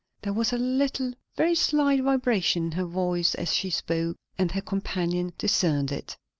There was a little, very slight, vibration in her voice as she spoke, and her companion discerned it.